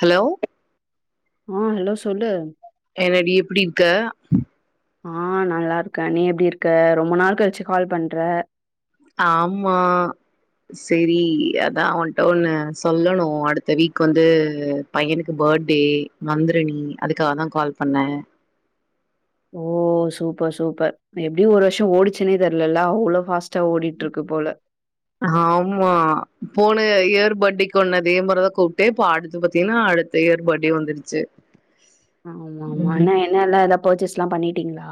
Hello ஆ hello சொல்லு என்னடி எப்படி இருக்க ஆ நல்லா இருக்கே நீ எப்டி இருக்க ரொம்ப நாள் கழ்ச்சு கால் பண்ற ஆமா செரி அதா உன்ட ஒன்னு சொல்லணு அடுத்த வீக் வந்து பையனுக்கு பேட்டே வந்துரு நீ அதுக்காகதா கால் பண்ணே ஓ சூப்பர் சூப்பர் எப்டி ஒரு வருஷோ ஓடிச்சுன்னே தெர்லல அவ்ளோ ஃபாஸ் ட்டா ஓடிட்ருக்கு போல ஆமா போன இயர் பேட்டேக்குன்ன அதே மாரிதா கூப்ட்டே இப்ப அடுத்து பாத்தீனா அடு த்த யேர் பேட்டே வந்துருச்சு ஆமா ஆமா ம் என்ன என்ன எல்லா எதா பேர்ச்சேஸ்லா பண்ணிட்டீங்ளா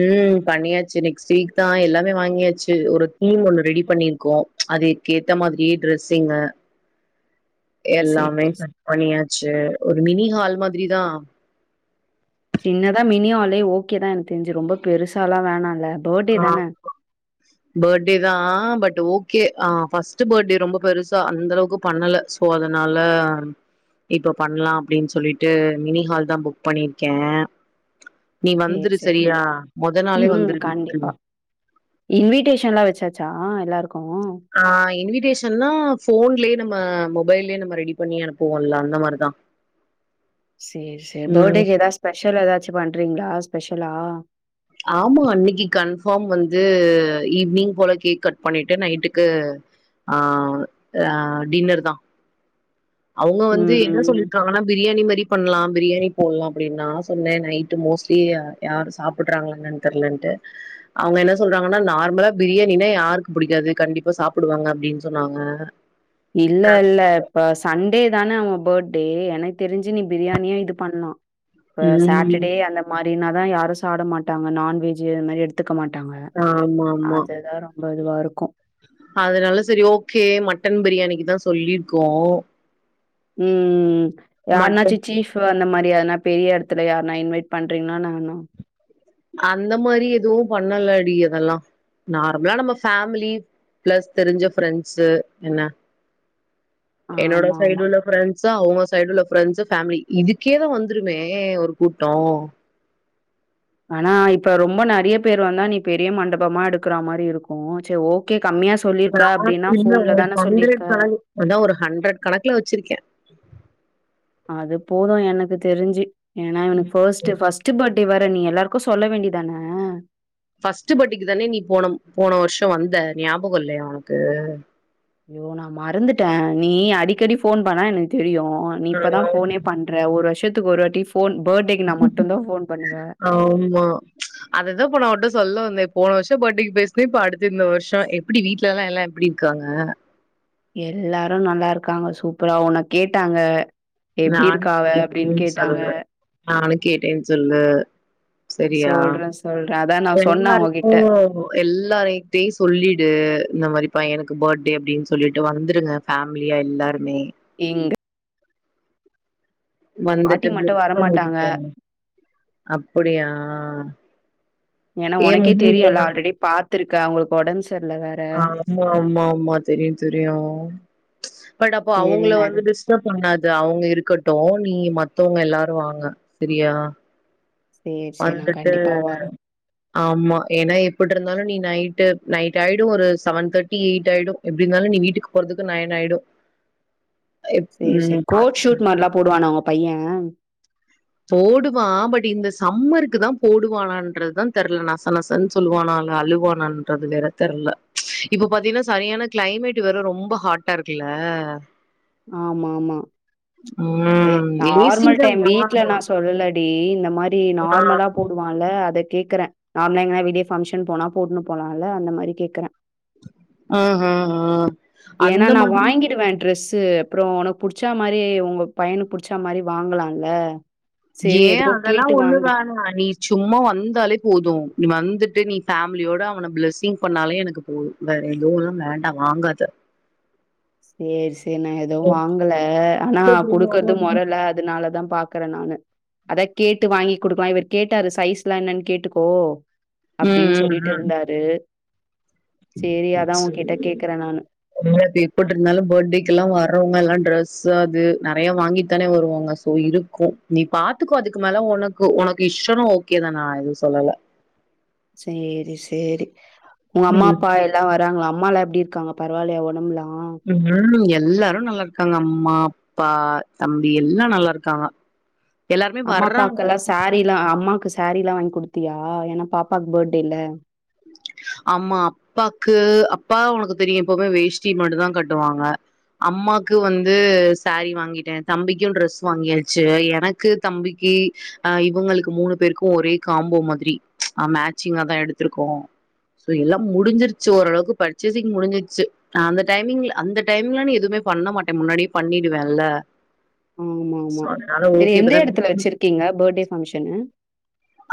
ம் பண்ணியாச்சு நெக்ஸ்ட் வீக்தா எல்லாமே வாங்கியாச்சு ஒரு தீம் ஒண்ணு ரெடி பண்ணிருக்கோ அதுக்கேத்த மாதிரியே ட்ரெஸ்ஸிங்கு ஓ சேரி எல்லாமே சே செலக்ட் பண்ணியாச்சு ஒரு மினி ஹால் மாதிரிதா சின்னதா மினி ஆலே ஓகேதா எனக் தெரிஞ்சு ரொம்ப பெருசாலா வேணால ஆ [unintelligible] பேட்டேதா பட் ஓகே அ ஃபஸ்ட்டு பேட்டே ரொம்ப பெருசா அந்தளவுக்கு பண்ணல சோ அதனால இப்ப பண்லா அப்டின் சொல்லிட்டு மினி ஹால்தா புக் பண்ணியிருக்கே நீ சேரி வந்துரு சேரி. சரியா மொத நாளே வந்துருடி இன்விடேஷன்லா வெச்சாச்சா எல்லாருக்கு ஆ இன்விடேஷன்னா ஃபோன்லயே நம்ம மொபைல்லே நம்ம ரெடி பண்ணி அனுப்புவோ இல்ல அந்த மாரிதா சேரி சேரி ம் பேட்டேக்கு எதாத் ஸ்பெஷலா எதாச்சு பண்றீங்ளா ஸ்பெஷலா ஆமா அன்னிக்கி கன்ஃபாம் வந்து ஈவ்னிங் போல கேக் கட் பண்ணிட்டு நைட்டுக்கு ஆ ஆ டின்னர்தா அவுங்க வந்து ம் என்ன சொல்லி ம். க்காங்கனா பிரியாணி மாரி பண்லா பிரியாணி போல்லா அப்படி நா சொன்னே நைட்டு மோஸ்ட்லி அ யாரு சாப்பிட்றாங்ளா என்னன் தெர்லன்ட்டு அவுங்க என்ன சொல்றாங்கனா நார்மலா பிரியாணின்னா யாருக்கு பிடிக்காது கண்டிப்பா சாப்பிடுவாங்க அப்டின் சொன்னாங்க இல்ல இல்ல இப்ப சண்டே தான அவ பேட்டே எனக் தெரிஞ்சு நீ பிரியாணியே இது பண்லா இப்ப ம் சாட்டர்டே அந்த மாரின்னாதான் யாரும் சாட மாட்டாங்க நான்வெஜ் அந் மாதிரி எடு த்துக்க மாட்டாங்க ஆமா ஆமா அதுதான் ரொம்ப இதுவா இருக்கும் அதனால சரி ஓகே மட்டன் பிரியாணிக்கு தான் சொல்லிருக்கோம் உம் யான்னா மட்டன் சீச்சிஃப் ப்பு அந்த மாரி யார்னா பெரிய எடத்துல யார்னா இன்வைட் பண்றீங்கனா இன்னான அந்த மாரி எதுவும் பண்ணலடி அதெல்லா நார்மலா நம்ம ஃபேமிலி ப்ளஸ் தெரிஞ்ச ஃப்ரெண்ட்ஸ என்ன என்னோடா ஆமாமா. சைடுல உள்ள ஃப்ரெண் டஸ் அவுங்க சைடு உள்ள ப்ரெண்ட்ஸ் ஃபேமிலி இதுக்கே தா வந்துருமே ஒரு கூட்டோ ஆனா இப்ப ரொம்ப நிறைய பேர் வந்தா நீ பெரிய மண்டபமா எடுக்கற மாரி இருக்கும் சரி ஓகே கம்மியா சொல்லியிருக்க ந அப்டின்னா இல்ல ஃபோன்ல ஒரு தானே சொல்லியிருக்க. ஹண்ட்ரட் அதான் ஒரு ஹண்ட்ரட் கணக்குல வச்சிருக்கேன் அது போதும் எனக்கு தெரிஞ்சு ஏன்னா ம் இவ்னுக்கு ஃபர்ஸ்ட் ம் ஃபஸ் ட் பர்த்டே வேர நீ எல்லாருக்கும் சொல்ல வேண்டிதான ஃபர்ஸ்ட் பட்டேக்கு தான நீ போன போன வருஷம் வந்த ஞாபகம் இல்லையா உனக்கு யோ நா மறந்துட்டேன் நீ அடிக்கடி ஃபோன் பண்ண எனக்கு தெரியும் நீ இப்பதான் ஃபோனே பண்ற ஒரு வருஷத்துக்கு ஒரு வாட்டி ஃபோன் பெர்த்டேக்குனா மட்டும்தா ஃபோன் பண்ணுவ ஆமா அததான் நான் இப்ப உங்கிட்ட சொல்ல வந்தேன் போன வருஷம் பர்த்டேக்கு பேசுன்னே இப்ப அடுத்த இந்த வருஷம் எப்படி வீட்லலா எல்லா எப்டி இருக்காங்க எல்லாரும் நல்லா இருக்காங்க சூப்பரா உன்ன கேட்டாங்க எப்டி நான் இருக்கா அவ அப்டின்னு கேட்டேன் கேட்டாங்க சொல்லு நானும் கேட்டேன்னு சொல்லு சரியா சொல்றே சொல்றே அதா நா சொன்னே அவங்ககிட்ட எல்லாருக்கும் எல்லாருகிட்டயும் சொல்லிடு இந்த மாரி பையனுக்கு பர்த்டே அப்படின்னு சொல்லிட்டு வந்துருங்க ஃபேமிலியா எல்லாருமே இங் பாட்டி வந்துட்டு மட்டு பிளஸ் பண்ணிட்டு வரமாட்டாங்க போங்க அப்படியா ஏன்னா ஏ உனக்கே தெரியும்ல ஆல்ரெடி பாத்திருக்கே அவுங்களுக்கு ஒடம்பு சரியல வேற ஆமா ஆமா ஆமா தெரியும் தெரியும் பட் அப்போ சேரி அவுங்கள நா இது வந்துட் டிஸ் டப் பண்ணாது அவுங்க இருக்கட்டும் நீ மத்தவங்க எல்லாரும் வாங்க சரியா சேரி சேரி நா வந்துட்டு கண்டிப்பா வரே ஆமா ஏன்னா எப்டி இருந்தாலும் நீ நைட்டு நைட் ஆயிடும் ஒரு செவன் தேர்டி எயிட் ஆயிடும் எப்டி இருந்தாலும் நீ வீட்டுக்கு போறதுக்கு நயன் ஆயிடும் எப் உம் பாத்துக்க போடுவான உங்க பையன் போடுவான் பட் இந்த சம்மருக்கு தா போடுவானன்றதுதான் தெரியல நச நச சனு சொல்லுவான அங்க அழுவானன்றது வேற தெர்ல இப்ப பாத்தீங்கன்னா சரியான கிளைமேட் வெற ரொம்ப ஹாட்டா இருக்குல்ல ஆமா ஆமா ஏ ம் சி நார்மல் தான் டைம் வீட்ல நா சொ சொல்லலடி இந்த மாரி நார்மலா போடுவான் இல்ல அத கேக்குறேன் நார்மலா எங்கனா வெளியே ஃபங்ஷன் போனா போட்டுன்னு போலாம் இல்ல அந்த மாரி கேக்குறே ஆஹா ஆ ஏன்னா அந்த நா மாதிரி வாங்கிடுவேன் ட்ரெஸ் அது அப்புறம் உனக்கு புடிச்சா மாதிரி ஒங்க பையனுக்கு புடிச்சா மாரி வாங்கலாம்ல ஏன் அதெல்லாம் ஒண்ணும் வேணாம் நீ சும்மா வந்தாலே போதும் நீ வந்துட்டு நீ ஃபேமிலியோட அவன பிளஸ்ஸிங் பண்ணாலே எனக்கு போ வேற எதுவும்லாம் வேண்டாம் வாங்காத சேர் சேரி நா எது ம் வாங்கல ஆனா குடுக்கறதும் மொறல்ல அதனாலதா பாக் க்ற நானு அதா கேட்டு வாங்கி் குடுக்கலா இவர் கேட்டாரு சைஸ்லா என்னன் கேட்டுக்கோ அப்டின் ம் சொல்லிட்டு ம். இருந்தாரு சேரி அதா உங்கிட்ட கேக்குறே நானு ம் அது எப்புட் இருந்தாலு பர்ட்டேக்கல்லா வர்றவங்க எல்லா டிரெஸ்சு அது நெறையா வாங்கிட்தானே வருவாங்க சோ இருக்கு நீ பாத்துக்கோ அதுக்கு மேல ஒனக்கு ஒனக்கு இஷ்டோனா ஓக்கே தா நா எது சொல்லல சேரி சேரி உங்க அம்மா ம் அப்பா எ ல்லா வராங்ளா அம்மாலா எப்டி இருக்காங்க பரவால்லயா ஒடம்லா ம் எல்லாரு நல்லாருக்காங்க அம்மா அப்பா தம்பி எல்லா நல்லாருக்காங்க அஹ அம்மா அப்பாக்கெல்லா சேரீலா அம்மாக்கு சேரீலா வாங்கி் குடுத்தியா ஏனா பாப்பாக்கு பெர்ட்டேல அம்மா அப்பாக்கு அப்பா உனக்கு தெரியு எப்பவுமே வேஷ்டி மட்டு தா கட்டுவாங்க அம்மாக்கு வந்து சேரி வாங்கிட்டே தம்பிக்கு ட்ரெஸ் வாங்கியாச்சு எனக்கு தம்பிக்கு அ இவுங்களுக்கு மூணு பேருக்கு ஒரே காம்போ மாதிரி ஆ மேச்சிங்கா தா எடுத்துருக்கோ சோ எல்லாம் முடிஞ்சிருச்சு ஓரளவுக்கு பர்ச்சேசிங் முடிஞ்சிருச்சு நா அந்த டைமிங்ல அந்த டைமிங்லா நா எதுமே பண்ண மாட்டே முன்னாடியே பண்ணிடுவேல்ல ஆமாமா சரி எந்த இப்பதா இடத்துல வச்சிருக்கீங்க பெர்ட்டே பங்ஷன்னு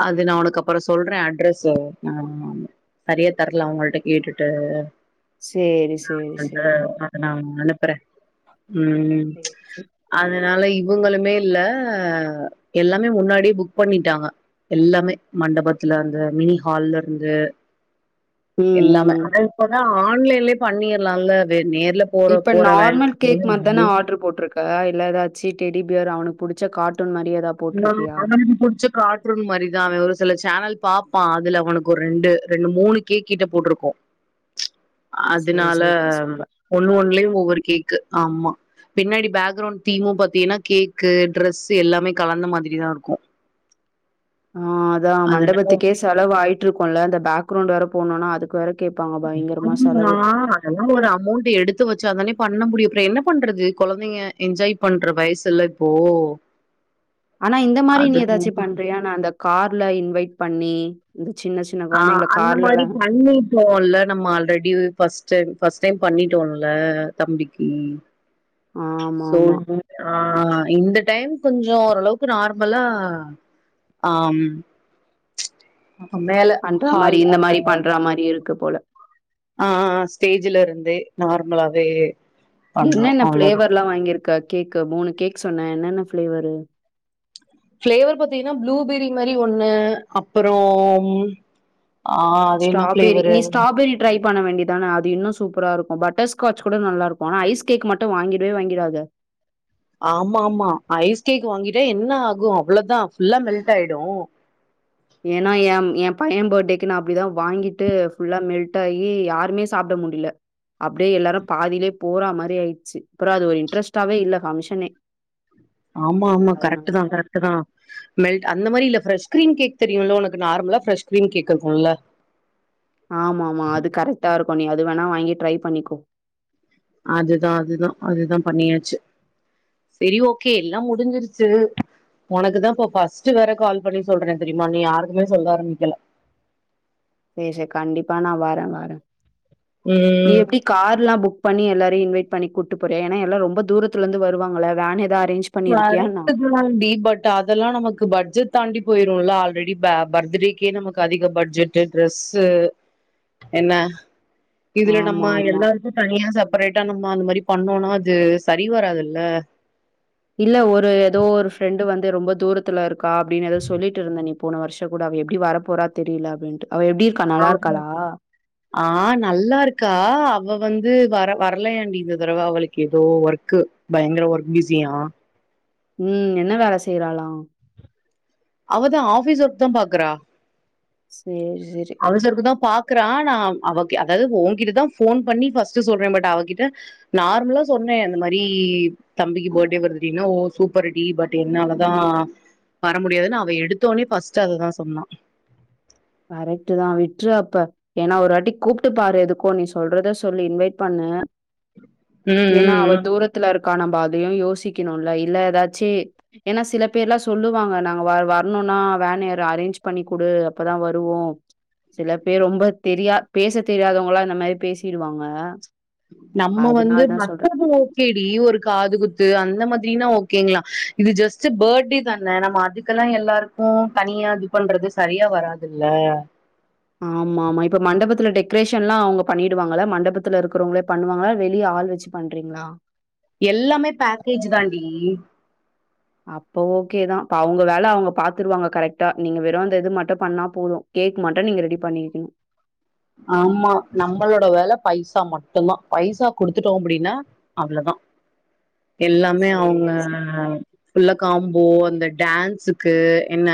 அது நா ஒனக்கு அப்பறோ சொல்றே அட்ரஸ்சு ஆமாமா சரியா தெர்ல அவங்கள்ட்ட கேட்டுட்டு சேரி நா சேரி வந்து சேரி உனக்கு நா அனுப்புறே ம் சேரி சேரி. அதனால இவுங்களுமே இல்ல எல்லாமே முன்னாடியே புக் பண்ணிட்டாங்க எல்லாமே மண்டபத்துல இருந்து மினி ஹால்ல இருந்து எல்லாமே ம் ஆனா இப்பதா ஆன்லைன்லயே பண்ணிர்லால்ல வே நேர்ல போற இப்ப போற நார்மல் கேக் மாத் வேல தான ஆர்ட்ரு போட்ருக் க இல்ல ஏதாச்சு டெடி பியர் அவனுக்கு புடுச்ச காட்டூன் மாரி எதா ம்மா அவனுக்கு புடுச்ச காட் ரூன் மாரி தா அவ ஒரு சில சேனல் பாப்பா அதுல அவனுக்கு ஒரு ரெண்டு ரெண்டு மூணு கேக் கிட்ட போட்ருக்கோ சேரி அதனால சூப்பர் சூப்பர் ஒண்ணு ஒண்ணுலயு ஒவ்வொரு கேக்கு ஆம்மா பின்னாடி பேக்ரவுண்ட் தீமு பாத்தீங்கன்னா கேக்கு ட்ரெஸ்சு எல்லாமே கலந்த மாதிரிதா இருக்கு ஆ அதா அதனால மண்டபத்துக்கே செலவு ஆயிட்ருக்குல்ல அந்த பேக்ரவுண்ட் வேற போட்ணுனா அதுக்கு வேற கேட்பாங்க பயங்கரமா ஆம்மா செலவு. அதல்லா ஒரு அமோண்ட்டு எடுத்து வச்சாதானே பண்ண முடியு அப்றோ என்ன பண்றது கொழந்தைங்க என்ஜாய் பண்ற வயசுல்ல இப்போ ஆனா இந்த மாரி நீ அது ஏதாச்சு பண்றியா நா அந்த கார்ல இன்வைட் பண்ணி இந்த சின்ன சி ஆ அந்த மாரி பண்ணிப் போவோல்ல நம்ம already first time first time பண்ணிட்டோல்ல தம்பிக்கு ஆமாமா. சோல் மு ஆ இந்த டைம் கொஞ்சோ ஓரளவுக்கு நார்மலா அ ம் மேல பண்ற ஹால் மாரி இந்த அந்த மாரி பண்ற மாரி இருக்கு போல ஆ ஸ்டேஜ்ல இருந்து நார்மலாவே பண்றோ என்னென்ன அவ்ளோதா ஃபிளேவர்ல்லா வாங்கிருக்க கேக்கு மூணு கேக் சொன்ன என்னென்ன ஃப்ளேவரு ஃபிளேவர் பாத்தீங்னா ப்ளூபெரி மாரி ஒண்ணு அப்பறோம் ஆ அது என்ன ஸ்ட்ராபெர்ரி ஃப்ளேவரு நீ ஸ்ட்ராபெர்ரி ட்ரை பண்ண வேண்டிதானே அது இன்னும் சூப்பரா இருக்கு பட்டர் ஸ்காச் கூட நல்லாருக்கு ஆனா ஐஸ் கேக் மட்டு வாங்கிடவே வாங்கிடாத ஆம்மாம்மா ஐஸ் கேக் வாங்கிட்டா என்ன ஆகு அவ்ளோதா ஃபுல்லா மெல்ட் ஆயிடு ஏனா ஏ ஏ பைய பேர்டேக்கு நான் அப்டிதா வாங்கிட்டு ஃபுல்லா மெல்ட் ஆயி யாருமே சாப்ட முடியல அப்டியே எல்லாரு பாதிலே போற மாரி ஆயிடுச்சி அப்ற அது ஒரு இன்ட்ரெஸ்டாவே இல்ல ஃபங்ஷனே ஆமா ஆமா கரெக்ட் அதனால. தா கரெக்ட் தா மெல் அந்த மாரி இல்ல ஃப்ரஷ் கிரீ கேக் தெரியுல உனக்குர நார்மலா ஃப்ஷ் கிரீ கேக் இருக்குல ஆமா ஆமா அது கரெக்டா இருக்கு நீ அது வேணா வாங்கி ட்ரை பண்ணிக்கோ அதுதா அதுதா அதுதா பண்ணியாச்சு செரி ஓகே எல்லா முடிஞ்சிருச்சி உனக்கு தாப்பா ஃபஸ்ட்ட் வேற கால் பண்ணி சொல்ற தெரியுமா நீ யாக்குமே சொல்ல ஆரம்பிக்கில செரி செரி கண்டிப்பா நா வர வர நீ ம் எப்டி கார் எல்லா புக் பண்ணி எல்லாரையு இன்வைட் பண்ணி கூட்டு போற ஏனா எல்லார ரொம்ப தூரத்துல இருந்து வருவாங்கல வேன் ஏதாவது அரேஞ்சி வரட்டுக் [unintelligible] டி பட் அதெல்லா நமக்கு பட்ஜெட் தாண்டி போயிரும்ல ஆல்ரெடி பஅ பர்த்டேக்கே நமக்கு அதிக பட்ஜெட் ட்ரெஸ்சு என்ன இதுல நம்ம ஆமாமா. எல்லாருக்கு தனியா செப்பரேட்டா நம்ம அந்த மாதிரி பண்ணோனா அது சரி வராது இல்ல இல்ல ஒரு ஏதோ ஒரு ஃப்ரெண்டு வந்து ரொம்ப தூரத்துல இருக்கா அப்டின்னு எதோ சொல்லிட்டு இருந்த நீ போன வருஷ கூட அவ எப்டி வரப்போறா தெரில அப்டின்ட்டு அவ எப்டி இ ஆமா ஆ நல்லா இருக்கா அவ வந்து வர வரலையாண்டி இந்த தடவ அவளுக்கு ஏதோ ஒர்க்கு பயங்கர ஒர்க் பிஸியா ம் என்ன வேல செய்றாளா அவதா ஆபிஸ் ஒரு தா பாக்குறா சேரி சேரி அவசருக்கு தா பாக்குறா நா அவ் அவக்கே அதாவது ஒகிட்டதா போன் பண்ணி ஃர்ஸ்ட் சொல்றே பட் அவகிட்ட நார்மலா சொன்ன இந்த மாரி தம்பிக்கு பர்த்டே வருதுட்டீன்னா ஓ சூப்பர் டி பட் என்னாலதா வர முடியாது அவ எடுத்தோனே பர்ஸ்ட் அததா சொன்னா கரெக்ட் தா விட்ரு அப்பே ஏனா ஒருவாட்டி கூப்ட்டு பாரு எதுக்கு நீ சொல்றத சொல்லு இன்வைட் பண்ணு ம் ஏனா ம் அவ ம் தூரத்துலருக்கா நம்ம அதயு யோசிக்கணுல இல்ல ஏதாச்சி ஏனா சில பேர்லா சொல்லுவாங்க நாங்க வர வரணுனா வேன் யாரா அரேஞ்ச் பண்ணி குடு அப்பதா வருவோ சில பேர் ரொம்ப தெரியா பேச தெரியாதவங்களா இந்த மாரி பேசிடுவாங்க நம்ம வந்து அதனால தான் சொல்றேன் மத்தது கெடி ஒரு காது குத்து அந்த மாதிரினா ஓகேங்ளா இது ஜஸ்ட் பர்த்டே தான நம்ம அதுக் இதெல்லா எல்லாருக்கு தனியா இது பண்றது சரியா வராதுல்ல ஆமா ஆமா இப்ப மண்டபத்துல டெக்ரேஷன்ல்லா அவங்க பண்ணிடுவாங்கல்ல மண்டபத்துல இருக்கிறவங்களே பண்ணுவாங்களா வெளிய ஆள் வச்சுப் பண்றங்ளா எல்லாமே பேக்கேஜ் தாண்டி அப்ப ஓகே தா அப்ப அவங்க வேல அவுங்க பாத்துருவாங்க கரெக்டா நீங்க வெறு இந்த இது மட்டு பண்ணா போது கேக் மட்டு நீங்க ரெடி பண்ணிக்ணு ஆமா நம்மளோட வேல பைசா மட்டுதா பைசா குடுத்துட்டோ அப்டினா அவ்ளதா எல்லாமே சரி, அவங்க சரி. புல்லோ காம்போ அந்த டான்ஸுக்கு என்ன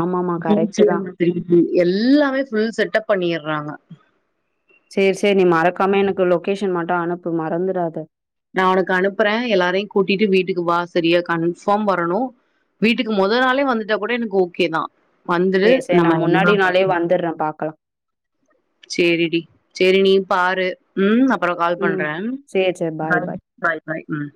ஆமாமா, கரெக்ட்டு தான். [unintelligible] எல்லாமே ஃபுல் செட்டப் பண்ணிறாங்க சேர் சேரி நீ மறக்காம எனக்கு லொக்கேஷன் மட்டு அனுப்பு மறந்துறாத நா உனக்கு அனுப்ற எல்லாரையு கூட்டிட்டு வீட்டுக்கு வா சரியா கன்ஃபாம் வரணு வீட்டுக்கு மொத நாளே வந்துட்டா கூட எனக் ஓகே தா வந்துரு சரி, சரி. நான் முன்னாடி நாளே வந்துர்றேன் பாக்கலாம். [unintelligible] சேரி டி சேரி நீயு பாரு ம் அப்பற கால் பண்ற சேர் சேர்ம பாய் பாய் பாய் ம்